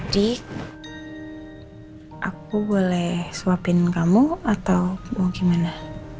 di aku boleh suapin kamu atau mau gimana